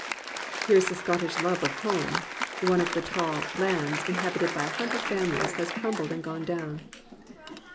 Here is the Scottish love of home: (One of the tall "lands," inhabited by a hundred famihes, has crumbled and gone down.)